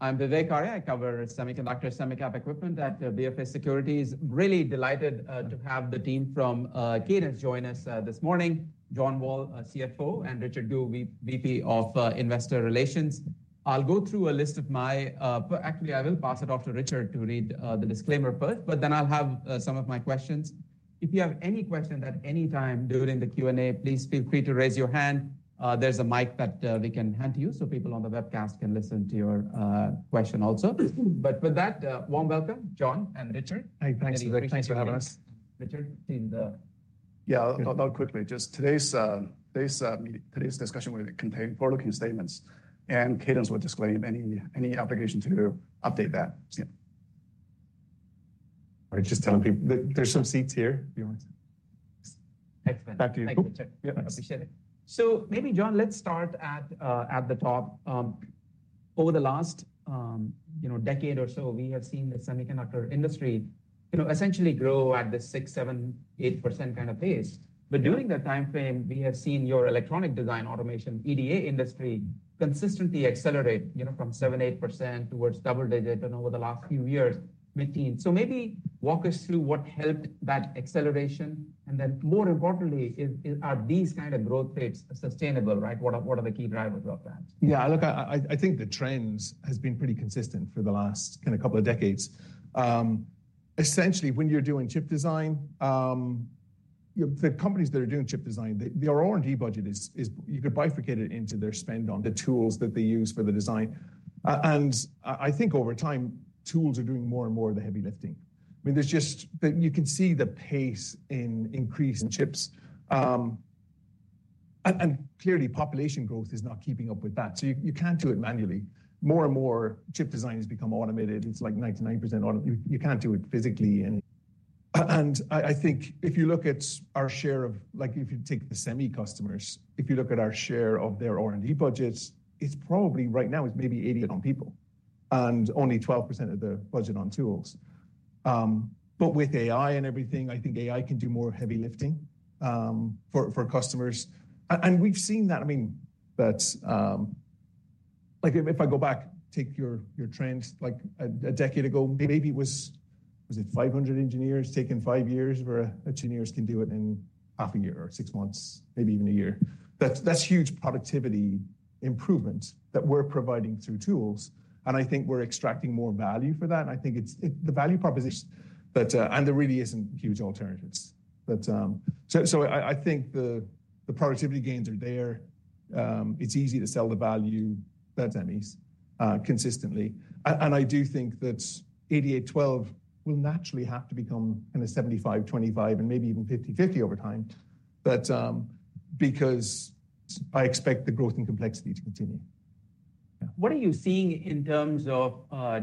I'm Vivek Arya. I cover semiconductor, semicap equipment at BofA Securities. Really delighted to have the team from Cadence join us this morning. John Wall, CFO, and Richard Gu, VP of Investor Relations. I'll go through a list of my, but actually I will pass it off to Richard to read the disclaimer first, but then I'll have some of my questions. If you have any question at any time during the Q&A, please feel free to raise your hand. There's a mic that we can hand to you so people on the webcast can listen to your question also. But with that, warm welcome, John and Richard. Hey, thanks, Vivek. Thanks for having us. Richard, in the- Yeah, I'll quickly. Just today's meeting, today's discussion will contain forward-looking statements, and Cadence will disclaim any obligation to update that. Yeah. I was just telling people that there's some seats here if you want. Excellent. Thank you. Thank you, Richard. Yeah. Appreciate it. So maybe, John, let's start at the top. Over the last, you know, decade or so, we have seen the semiconductor industry, you know, essentially grow at this 6%-8% kind of pace. But during that time frame, we have seen your electronic design automation, EDA, industry consistently accelerate, you know, from 7%-8% towards double-digit, and over the last few years, mid-teens. So maybe walk us through what helped that acceleration, and then more importantly, are these kind of growth rates sustainable, right? What are the key drivers of that? Yeah, look, I think the trends has been pretty consistent for the last kind of couple of decades. Essentially, when you're doing chip design, the companies that are doing chip design, their R&D budget is you could bifurcate it into their spend on the tools that they use for the design. And I think over time, tools are doing more and more of the heavy lifting. I mean, there's just... But you can see the pace in increase in chips, and clearly, population growth is not keeping up with that. So you can't do it manually. More and more, chip design has become automated. It's like 99% auto- you, you can't do it physically and I think if you look at our share of, like, if you take the semi customers, if you look at our share of their R&D budgets, it's probably right now maybe 80% on people and only 12% of the budget on tools. But with AI and everything, I think AI can do more heavy lifting for customers. And we've seen that. I mean, that's... Like, if I go back, take your trends, like a decade ago, maybe it was 500 engineers taking 5 years, where engineers can do it in half a year or 6 months, maybe even a year. That's, that's huge productivity improvement that we're providing through tools, and I think we're extracting more value for that, and I think it's the value proposition. But, and there really isn't huge alternatives. But, so I think the productivity gains are there. It's easy to sell the value to the semis consistently. And, and I do think that 88/12 will naturally have to become a 75/25 and maybe even 50/50 over time, but, because I expect the growth and complexity to continue. What are you seeing in terms of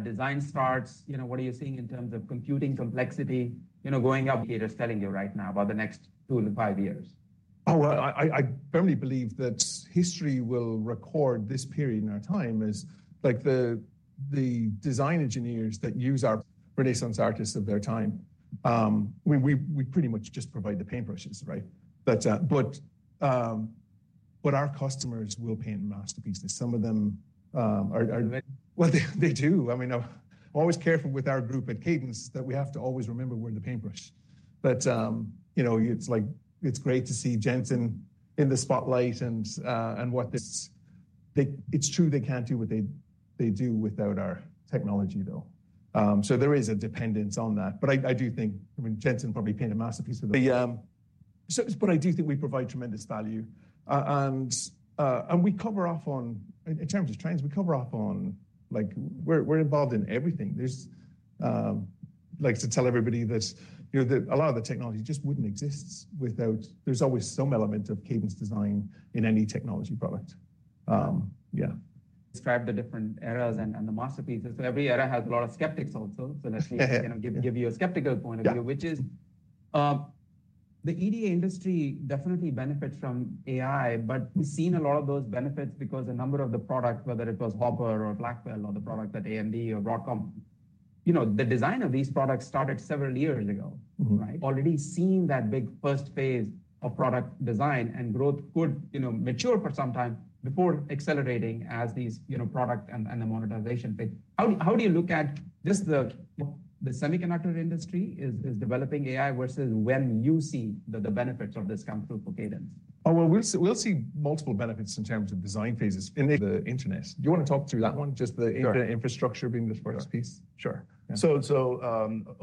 design starts? You know, what are you seeing in terms of computing complexity? You know, going up, data's telling you right now about the next 2-5 years. Oh, well, I firmly believe that history will record this period in our time as, like, the design engineers that use our renaissance artists of their time. We pretty much just provide the paintbrushes, right? But our customers will paint masterpieces. Some of them are Amazing. Well, they do. I mean, I'm always careful with our group at Cadence that we have to always remember we're the paintbrush. But, you know, it's like, it's great to see Jensen in the spotlight and, and what this- they, it's true, they can't do what they, they do without our technology, though. So there is a dependence on that. But I, I do think, I mean, Jensen probably painted a masterpiece of the... So but I do think we provide tremendous value, and, and we cover off on, in terms of trends, we cover off on, like we're, we're involved in everything. There's, like to tell everybody that, you know, that a lot of the technology just wouldn't exist without... There's always some element of Cadence design in any technology product. Yeah. Describe the different eras and the masterpieces. So every era has a lot of skeptics also. So let me, you know, give you a skeptical point of view- Yeah... which is, the EDA industry definitely benefits from AI, but we've seen a lot of those benefits because a number of the product, whether it was Hopper or Blackwell or the product at AMD or Broadcom, you know, the design of these products started several years ago. Mm-hmm. Right? Already seen that big first phase of product design and growth could, you know, mature for some time before accelerating as these, you know, product and the monetization. But how do you look at just the semiconductor industry is developing AI versus when you see the benefits of this come through for Cadence? Oh, well, we'll see, we'll see multiple benefits in terms of design phases in the industry. Do you want to talk through that one, just the- Sure... infrastructure being the first piece? Sure. Yeah.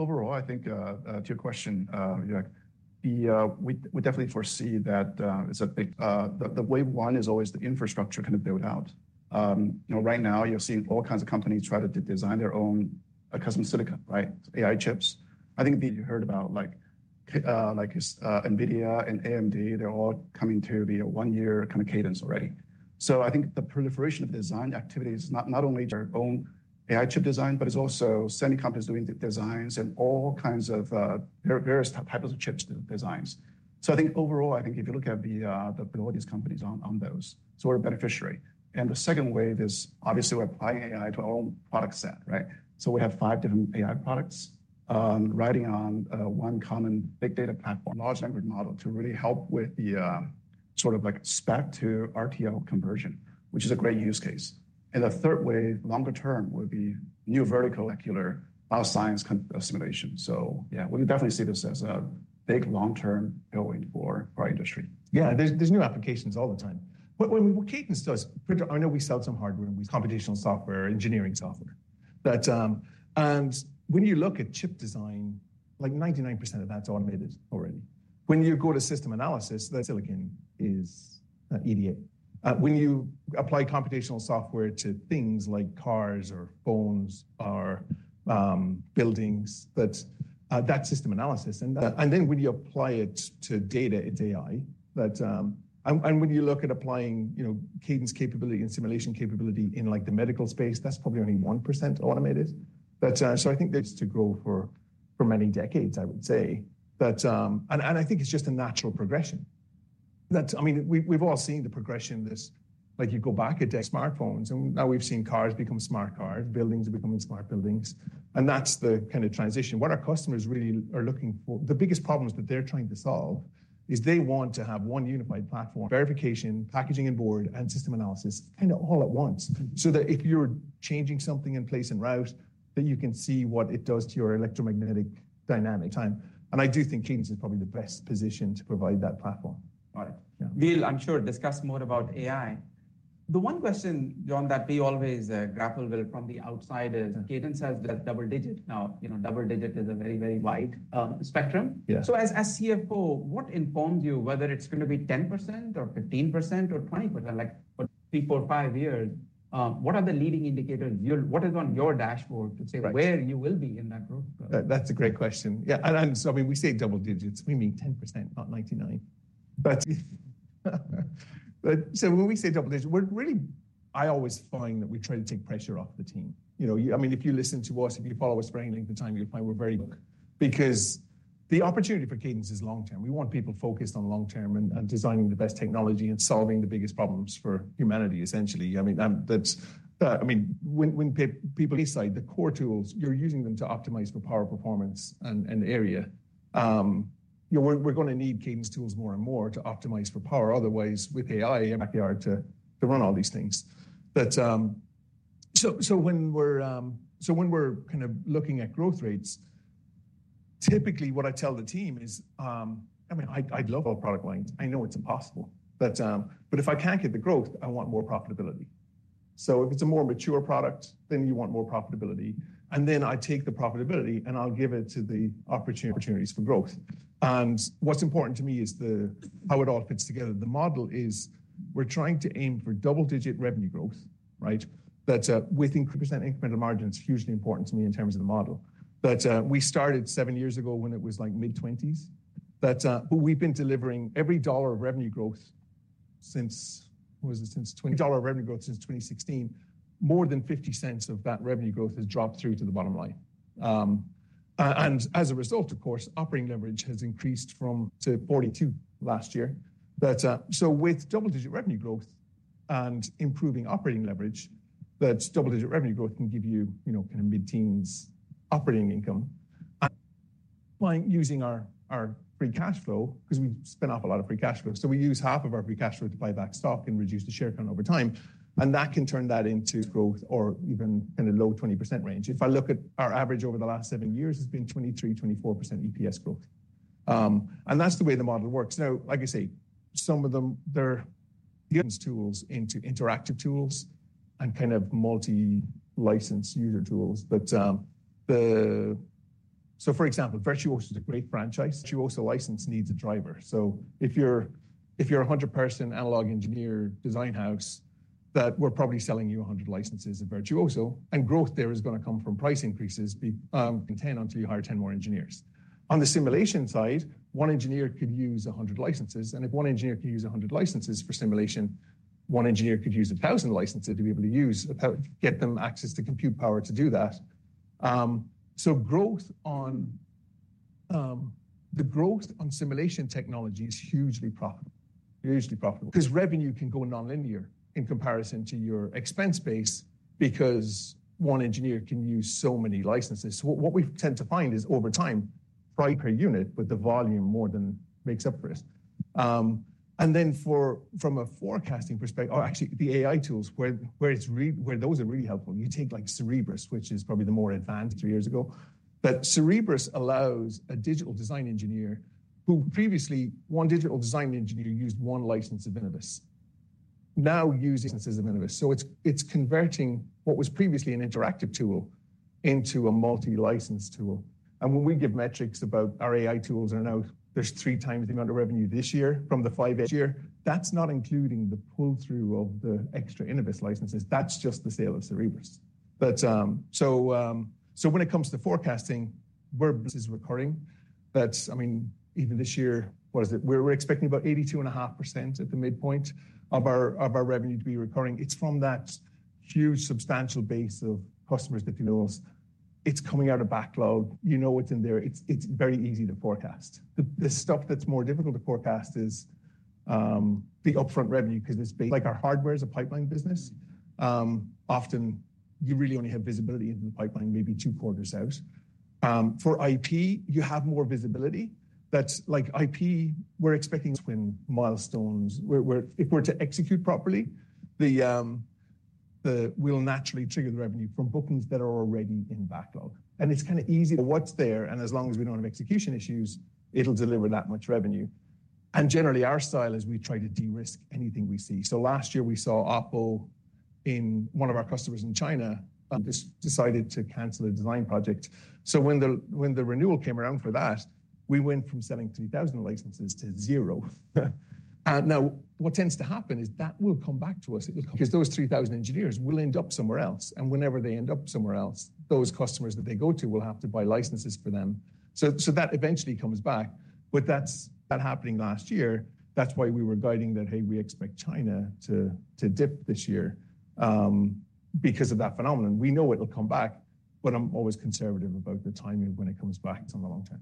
Overall, I think to your question, Vivek, we definitely foresee that it's a big wave one is always the infrastructure kind of build-out. You know, right now you're seeing all kinds of companies try to design their own custom silicon, right? AI chips. I think you heard about like, like, NVIDIA and AMD, they're all coming to be a one-year kind of cadence already. So I think the proliferation of design activity is not only their own AI chip design, but it's also semi companies doing the designs and all kinds of various types of chips designs. So I think overall, if you look at the abilities companies on those, so we're a beneficiary. The second wave is obviously we're applying AI to our own product set, right? So we have five different AI products, riding on one common big data platform, large language model, to really help with the sort of like spec-to-RTL conversion, which is a great use case.... and the third way, longer term, will be new vertical molecular bioscience kind of simulation. So yeah, we definitely see this as a big long-term tailwind for our industry. Yeah, there's new applications all the time. But when Cadence does, I know we sell some hardware and we computational software, engineering software, but and when you look at chip design, like 99% of that's automated already. When you go to system analysis, the silicon is EDA. When you apply computational software to things like cars or phones or buildings, that's system analysis. And then when you apply it to data, it's AI. But and when you look at applying, you know, Cadence capability and simulation capability in, like, the medical space, that's probably only 1% automated. But so I think there's to grow for many decades, I would say. But and I think it's just a natural progression. I mean, we've all seen the progression of this. Like, you go back a day, smartphones, and now we've seen cars become smart cars, buildings are becoming smart buildings, and that's the kind of transition. What our customers really are looking for. The biggest problems that they're trying to solve is they want to have one unified platform, verification, packaging and board, and system analysis, kind of all at once. So that if you're changing something in place and route, that you can see what it does to your electromagnetic dynamic time. And I do think Cadence is probably the best position to provide that platform. Got it. Yeah. Well, I'm sure, discuss more about AI. The one question, John, that we always grapple with from the outside is- Okay... Cadence has the double digit. Now, you know, double digit is a very, very wide spectrum. Yeah. So as CFO, what informs you whether it's gonna be 10% or 15%, or 20%, like, for 3, 4, 5 years? What are the leading indicators you're—what is on your dashboard to say- Right... where you will be in that growth curve? That's a great question. Yeah, so, I mean, we say double digits, we mean 10%, not 99%. But so when we say double digits, we're really. I always find that we try to take pressure off the team. You know, I mean, if you listen to us, if you follow us for any length of time, you'll find we're very. Because the opportunity for Cadence is long-term. We want people focused on long-term and designing the best technology and solving the biggest problems for humanity, essentially. I mean, that's, I mean, when people inside, the core tools, you're using them to optimize for power, performance, and area. You know, we're gonna need Cadence tools more and more to optimize for power. Otherwise, with AI in backyard to run all these things. But, so when we're kind of looking at growth rates, typically what I tell the team is, I mean, I'd love all product lines. I know it's impossible, but if I can't get the growth, I want more profitability. So if it's a more mature product, then you want more profitability, and then I take the profitability, and I'll give it to the opportunities for growth. And what's important to me is how it all fits together. The model is we're trying to aim for double-digit revenue growth, right? But with increased incremental margin, it's hugely important to me in terms of the model. But we started seven years ago when it was like mid-20s. But we've been delivering every $1 of revenue growth since, was it, 2016—every $1 of revenue growth since 2016. More than $0.50 of that revenue growth has dropped through to the bottom line. And as a result, of course, operating leverage has increased from [2] to 42 last year. So with double-digit revenue growth and improving operating leverage, double-digit revenue growth can give you, you know, kind of mid-teens operating income. And by using our free cash flow, 'cause we spin off a lot of free cash flow, so we use half of our free cash flow to buy back stock and reduce the share count over time, and that can turn that into growth or even in a low 20% range. If I look at our average over the last seven years, it's been 23%-24% EPS growth. And that's the way the model works. Now, like I say, some of them, they're guidance tools into interactive tools and kind of multi-license user tools. But. So for example, Virtuoso is a great franchise. Virtuoso license needs a driver, so if you're, if you're a 100-person analog engineer design house, that we're probably selling you 100 licenses of Virtuoso, and growth there is gonna come from price increases be contained until you hire 10 more engineers. On the simulation side, one engineer could use 100 licenses, and if one engineer could use 100 licenses for simulation, one engineer could use 1,000 licenses to be able to use, get them access to compute power to do that. So growth on the growth on simulation technology is hugely profitable, hugely profitable, 'cause revenue can go nonlinear in comparison to your expense base because one engineer can use so many licenses. So what we tend to find is, over time, price per unit, but the volume more than makes up for it. And then from a forecasting perspective, or actually the AI tools, where those are really helpful, you take like Cerebrus, which is probably the more advanced three years ago. But Cerebrus allows a digital design engineer who previously, one digital design engineer used one license of Cerebrus, now uses licenses of Cerebrus. So it's converting what was previously an interactive tool into a multi-license tool. When we give metrics about our AI tools are now, there's three times the amount of revenue this year from the five year. That's not including the pull-through of the extra Cerebrus licenses. That's just the sale of Cerebrus. But, so, so when it comes to forecasting, where business is recurring, that's, I mean, even this year, what is it? We're expecting about 82.5% at the midpoint of our, of our revenue to be recurring. It's from that huge, substantial base of customers that you know us. It's coming out of backlog. You know it's in there. It's very easy to forecast. The stuff that's more difficult to forecast is the upfront revenue, 'cause it's ba- like our hardware is a pipeline business. You really only have visibility in the pipeline, maybe two quarters out. For IP, you have more visibility. That's like IP, we're expecting twin milestones, where if we're to execute properly, it will naturally trigger the revenue from bookings that are already in backlog. And it's kinda easy, but what's there, and as long as we don't have execution issues, it'll deliver that much revenue. And generally, our style is we try to de-risk anything we see. So last year we saw Oppo, one of our customers in China, just decided to cancel a design project. So when the renewal came around for that, we went from selling 3,000 licenses to zero. And now, what tends to happen is that will come back to us. It'll come, 'cause those 3,000 engineers will end up somewhere else, and whenever they end up somewhere else, those customers that they go to will have to buy licenses for them. So that eventually comes back. But that's, that happening last year, that's why we were guiding that, "Hey, we expect China to dip this year," because of that phenomenon. We know it'll come back, but I'm always conservative about the timing of when it comes back in the long term.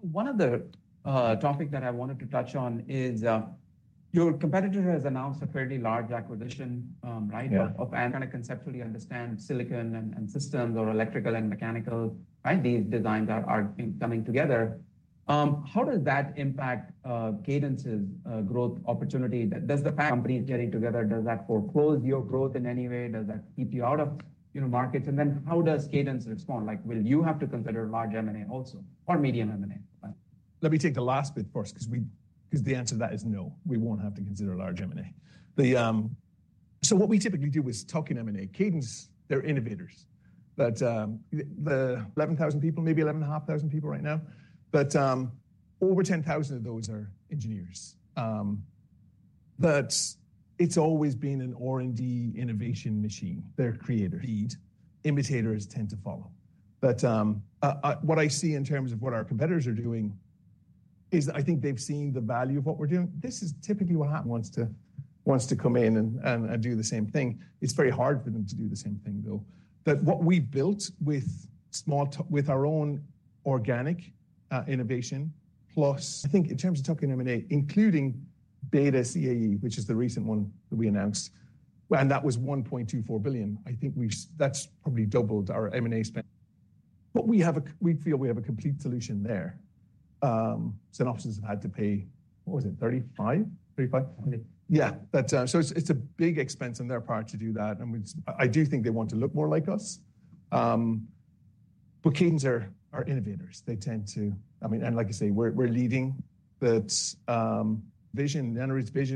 One of the topic that I wanted to touch on is your competitor has announced a fairly large acquisition, right? Yeah. And kinda conceptually understand silicon and systems or electrical and mechanical, right? These designs are coming together. How does that impact Cadence's growth opportunity? Does the fact companies getting together, does that foreclose your growth in any way? Does that keep you out of, you know, markets? And then how does Cadence respond? Like, will you have to consider large M&A also, or medium M&A? Let me take the last bit first, 'cause the answer to that is no. We won't have to consider a large M&A. So what we typically do is talking M&A. Cadence, they're innovators, but the 11,000 people, maybe 11,500 people right now, but over 10,000 of those are engineers. But it's always been an R&D innovation machine. They're creators. Leaders. Imitators tend to follow. But what I see in terms of what our competitors are doing is I think they've seen the value of what we're doing. This is typically what happens when someone wants to come in and do the same thing. It's very hard for them to do the same thing, though. But what we've built with our own organic innovation, plus I think in terms of talking M&A, including BETA CAE, which is the recent one that we announced, and that was $1.24 billion. I think we've— That's probably doubled our M&A spend. But we have a— we feel we have a complete solution there. Synopsys has had to pay, what was it? $35 billion? $35 billion- Hundred. Yeah, but, so it's, it's a big expense on their part to do that, and we just—I, I do think they want to look more like us. But Cadence are, are innovators. They tend to... I mean, and like I say, we're, we're leading. But, vision, Anirudh's vision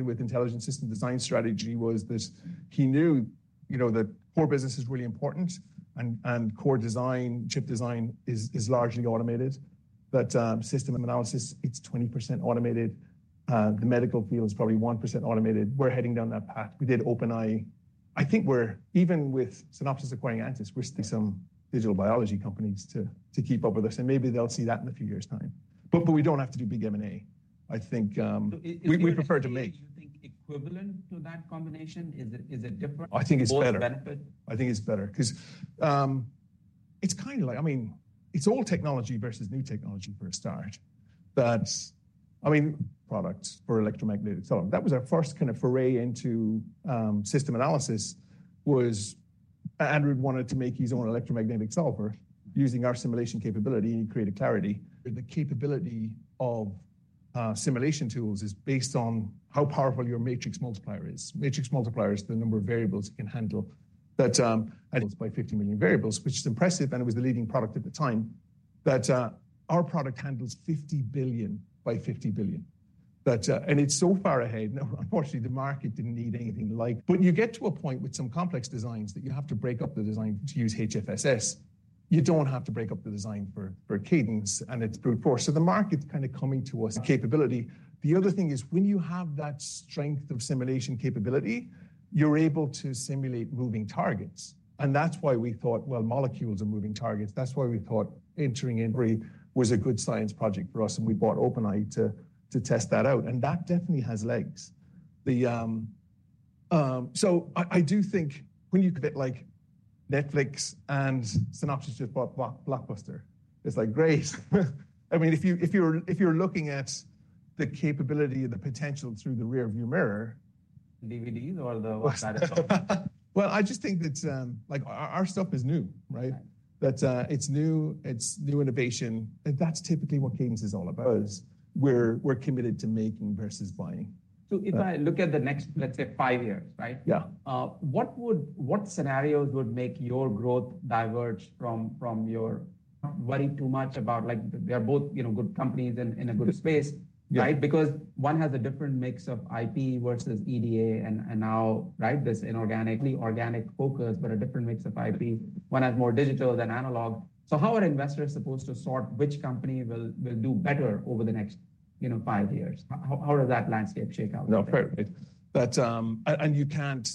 with Intelligent System Design strategy was this. He knew, you know, that core business is really important and, and core design, chip design is, is largely automated. But, system analysis, it's 20% automated. The medical field is probably 1% automated. We're heading down that path. We did OpenEye. I think we're, even with Synopsys acquiring Ansys, we're still some digital biology companies to, to keep up with us, and maybe they'll see that in a few years' time. But, but we don't have to do big M&A. I think, we prefer to make- You think equivalent to that combination? Is it, is it different? I think it's better. Both benefit. I think it's better 'cause, it's kinda like—I mean, it's old technology versus new technology, for a start. But, I mean, products for electromagnetic solver. That was our first kinda foray into system analysis, was Anirudh wanted to make his own electromagnetic solver. Using our simulation capability, he created Clarity. The capability of simulation tools is based on how powerful your matrix multiplier is. Matrix multiplier is the number of variables it can handle. But, and it's by 50 million variables, which is impressive, and it was the leading product at the time. But, our product handles 50 billion by 50 billion. But, and it's so far ahead. Now, unfortunately, the market didn't need anything like... But you get to a point with some complex designs that you have to break up the design to use HFSS. You don't have to break up the design for, for Cadence, and it's brute force. So the market's kinda coming to us capability. The other thing is, when you have that strength of simulation capability, you're able to simulate moving targets. And that's why we thought, well, molecules are moving targets. That's why we thought entering in memory was a good science project for us, and we bought OpenEye to, to test that out, and that definitely has legs. So I do think when you compare, like, Netflix and Synopsys just bought Blockbuster, it's like, great. I mean, if you, if you're, if you're looking at the capability and the potential through the rear view mirror- DVD or the... Well, I just think that, like, our stuff is new, right? Right. That, it's new, it's new innovation, and that's typically what Cadence is all about. Yes. We're committed to making versus buying. If I look at the next, let's say, five years, right? Yeah. What scenarios would make your growth diverge from your...? Not worry too much about, like, they're both, you know, good companies in a good space. Yeah. Right? Because one has a different mix of IP versus EDA, and now, right, this inorganically organic focus, but a different mix of IP. Yeah. One has more digital than analog. So how are investors supposed to sort which company will do better over the next, you know, five years? How does that landscape shake out? No, perfect. But you can't,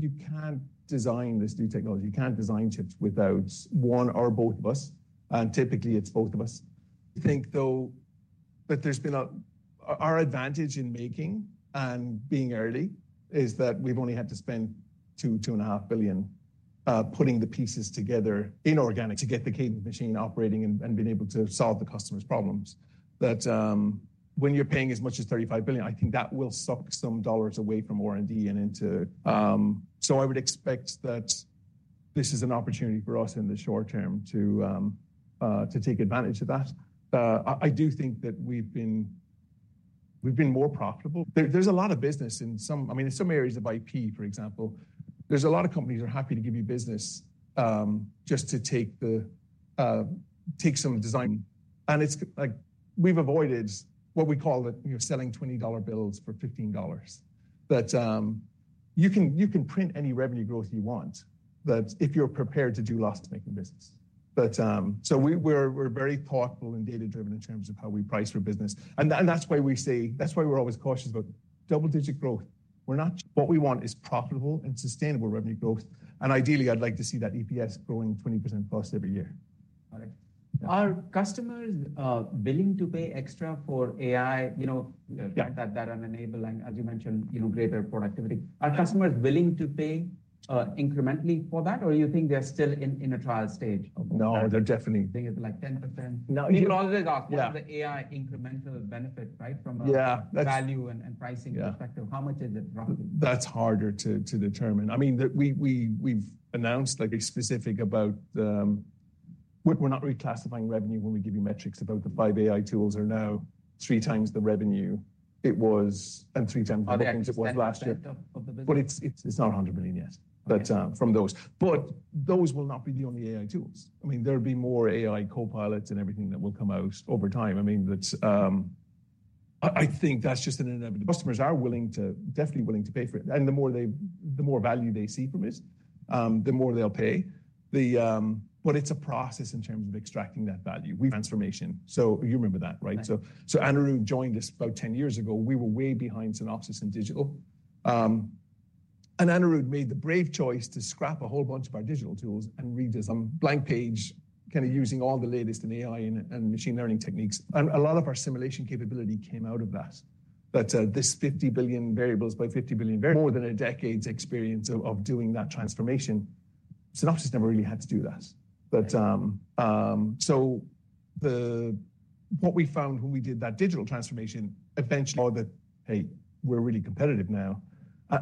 you can't design this new technology. You can't design chips without one or both of us, and typically it's both of us. I think, though, that there's been a. Our advantage in making and being early is that we've only had to spend $2-$2.5 billion putting the pieces together inorganic, to get the Cadence machine operating and being able to solve the customers' problems. But when you're paying as much as $35 billion, I think that will suck some dollars away from R&D and into. So I would expect that this is an opportunity for us in the short term to take advantage of that. I do think that we've been more profitable. There's a lot of business in some—I mean, in some areas of IP, for example. There's a lot of companies are happy to give you business, just to take the, take some design. And it's like, we've avoided what we call the, you know, selling $20 bills for $15. But, you can, you can print any revenue growth you want, but if you're prepared to do loss-making business. But, so we're, we're very thoughtful and data-driven in terms of how we price our business. And that, and that's why we say... That's why we're always cautious about double-digit growth. We're not. What we want is profitable and sustainable revenue growth, and ideally, I'd like to see that EPS growing 20%+ every year. Got it. Are customers willing to pay extra for AI? You know- Yeah... that and enabling, as you mentioned, you know, greater productivity. Are customers willing to pay incrementally for that, or you think they're still in a trial stage of- No, they're definitely- I think it's like 10%. No, you- You can always ask- Yeah... what is the AI incremental benefit, right? From a- Yeah, that's- -value and pricing- Yeah perspective, how much is it roughly? That's harder to determine. I mean, we've announced, like, a specific about... We're not reclassifying revenue when we give you metrics about the five AI tools are now three times the revenue it was, and three times the bookings it was last year. Of the business? But it's not $100 million yet. Okay. But, from those. But those will not be the only AI tools. I mean, there'll be more AI copilots and everything that will come out over time. I mean, that's, I, I think that's just an inevitable. Customers are willing to, definitely willing to pay for it, and the more they, the more value they see from it, the more they'll pay. The, but it's a process in terms of extracting that value. We transformation. So you remember that, right? Right. So Anirudh joined us about 10 years ago. We were way behind Synopsys in digital. And Anirudh made the brave choice to scrap a whole bunch of our digital tools and redo some blank page, kinda using all the latest in AI and machine learning techniques. And a lot of our simulation capability came out of that. But this 50 billion variables by 50 billion variable, more than a decade's experience of doing that transformation, Synopsys never really had to do that. Right. But, so what we found when we did that digital transformation, eventually, that, hey, we're really competitive now.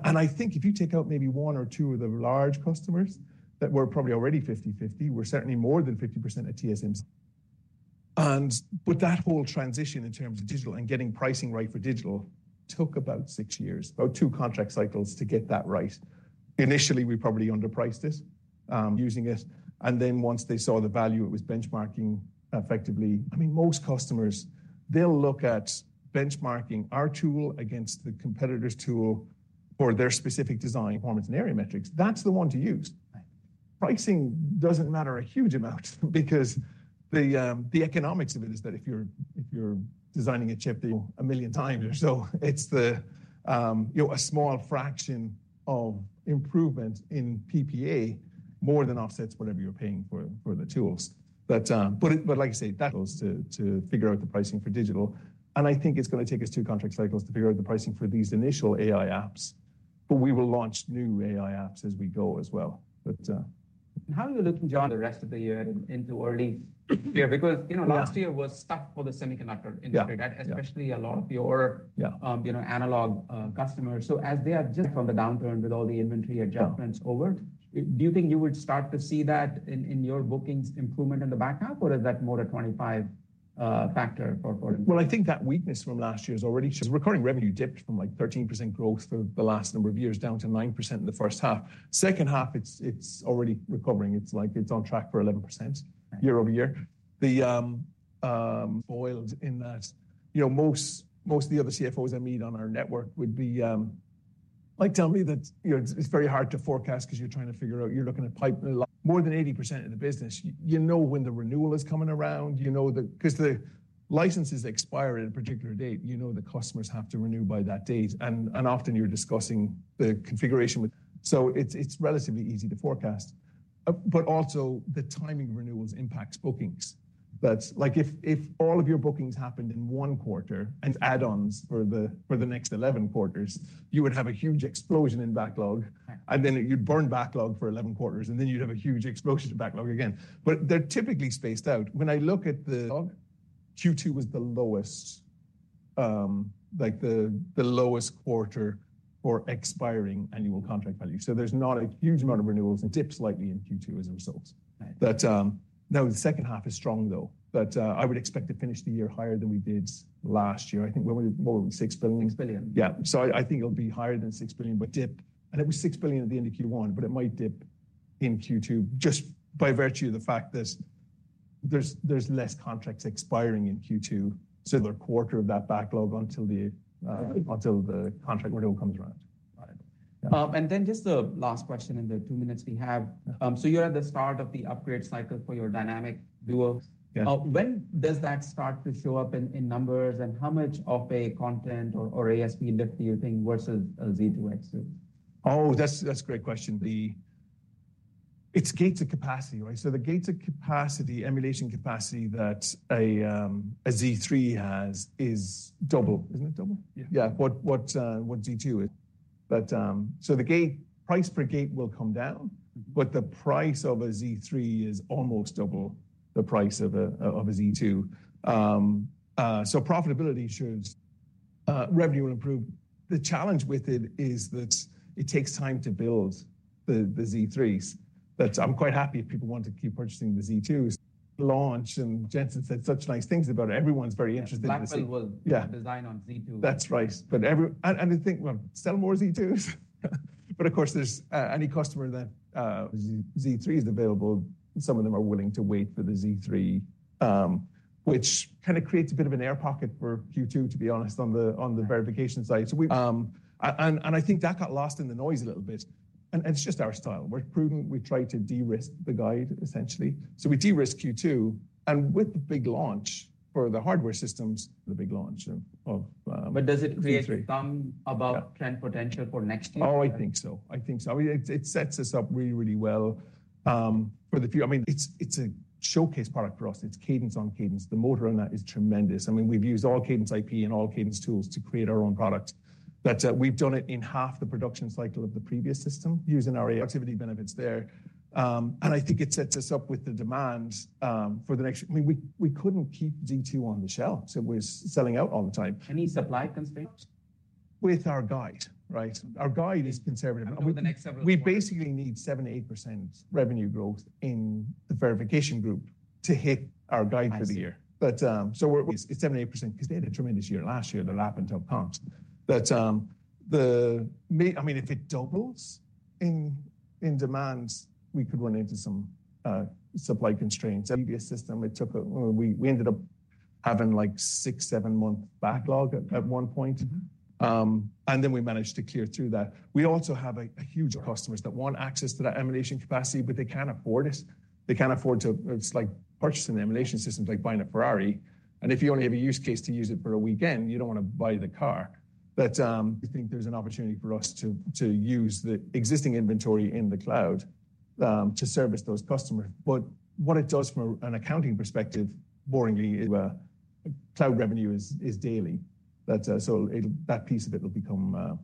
And I think if you take out maybe 1 or 2 of the large customers, that we're probably already 50/50, we're certainly more than 50% at TSMC. And, but that whole transition in terms of digital and getting pricing right for digital took about 6 years, about 2 contract cycles to get that right. Initially, we probably underpriced this, using it, and then once they saw the value, it was benchmarking effectively. I mean, most customers, they'll look at benchmarking our tool against the competitor's tool for their specific design, performance, and area metrics. That's the one to use. Right. Pricing doesn't matter a huge amount because the economics of it is that if you're designing a chip a million times or so, it's you know, a small fraction of improvement in PPA, more than offsets whatever you're paying for the tools. But like I say, that was to figure out the pricing for digital, and I think it's gonna take us two contract cycles to figure out the pricing for these initial AI apps, but we will launch new AI apps as we go as well. But How are you looking, John, the rest of the year into early year? Because, you know- Yeah... last year was tough for the semiconductor industry. Yeah. That especially a lot of your- Yeah... you know, analog customers. So as they are just from the downturn with all the inventory adjustments over- Yeah... do you think you would start to see that in, in your bookings improvement in the back half, or is that more a 25 factor for, for- Well, I think that weakness from last year is already... Because recurring revenue dipped from, like, 13% growth for the last number of years, down to 9% in the first half. Second half, it's already recovering. It's like it's on track for 11%- Right... year over year. The odds in that, you know, most of the other CFOs I meet on our network would be like tell me that, you know, it's very hard to forecast 'cause you're trying to figure out, you're looking at pipeline— More than 80% of the business, you know, when the renewal is coming around, you know the... 'Cause the licenses expire at a particular date, you know the customers have to renew by that date, and often you're discussing the configuration with. So it's relatively easy to forecast, but also the timing of renewals impacts bookings. That's like if all of your bookings happened in one quarter and add-ons for the next 11 quarters, you would have a huge explosion in backlog- Right... and then you'd burn backlog for 11 quarters, and then you'd have a huge explosion to backlog again. But they're typically spaced out. When I look at, Q2 was the lowest, like the lowest quarter for expiring annual contract value. So there's not a huge amount of renewals and dips slightly in Q2 as a result. Right. But, now the second half is strong, though. But, I would expect to finish the year higher than we did last year. I think we were more than $6 billion. Six billion. Yeah. So I think it'll be higher than $6 billion, but dip. And it was $6 billion at the end of Q1, but it might dip in Q2 just by virtue of the fact that there's less contracts expiring in Q2, so the quarter of that backlog until the, Right... until the contract renewal comes around. Got it. And then just the last question in the two minutes we have. Uh. So, you're at the start of the upgrade cycle for your Dynamic Duo. Yeah. When does that start to show up in numbers, and how much of a content or ASP lift do you think versus a Z2 X2? Oh, that's, that's a great question. It's gates of capacity, right? So the gates of capacity, emulation capacity that a Z3 has is double. Isn't it double? Yeah. Yeah. What Z2 is?... but, so the gate price per gate will come down, but the price of a Z3 is almost double the price of a Z2. So profitability should, revenue will improve. The challenge with it is that it takes time to build the Z3s. But I'm quite happy if people want to keep purchasing the Z2s. Launch, and Jensen said such nice things about it. Everyone's very interested in it. Blackwell was- Yeah. Design on Z2. That's right. But and, and I think, well, sell more Z2s. But of course, there's any customer that Z3 is available, some of them are willing to wait for the Z3, which kind of creates a bit of an air pocket for Q2, to be honest, on the, on the verification side. So we, and, and I think that got lost in the noise a little bit, and it's just our style. We're prudent. We try to de-risk the guide, essentially. So we de-risk Q2, and with the big launch for the hardware systems, the big launch of, of, But does it create- Z3... some above trend potential for next year? Oh, I think so. I think so. I mean, it, it sets us up really, really well. I mean, it's, it's a showcase product for us. It's Cadence on Cadence. The momentum on that is tremendous. I mean, we've used all Cadence IP and all Cadence tools to create our own product. But, we've done it in half the production cycle of the previous system using our productivity benefits there. And I think it sets us up with the demand for the next... I mean, we, we couldn't keep Z2 on the shelf, so it was selling out all the time. Any supply constraints? With our guide, right? Our guide is conservative. Over the next several- We basically need 7%-8% revenue growth in the verification group to hit our guide for the year. I see. But, so it's 7%-8% because they had a tremendous year last year, the Palladium ramps. But, I mean, if it doubles in demand, we could run into some supply constraints. Previous system, it took a... We ended up having, like, a 6-7-month backlog at one point. Mm-hmm. And then we managed to clear through that. We also have huge customers that want access to that emulation capacity, but they can't afford it. They can't afford to—it's like purchasing an emulation system is like buying a Ferrari, and if you only have a use case to use it for a weekend, you don't wanna buy the car. But we think there's an opportunity for us to use the existing inventory in the cloud to service those customers. But what it does from an accounting perspective, boringly, cloud revenue is daily. But so it'll—that piece of it will become,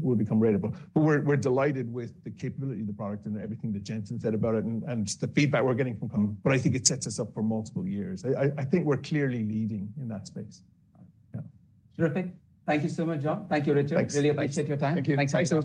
will become ratable. But we're delighted with the capability of the product and everything that Jensen said about it, and just the feedback we're getting from them. But I think it sets us up for multiple years. I think we're clearly leading in that space. Yeah. Terrific. Thank you so much, John. Thank you, Richard. Thanks. Really appreciate your time. Thank you. Thanks so much.